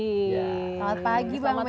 selamat pagi bang merdi